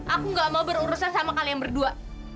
aku gak mau berurusan sama kalian berdua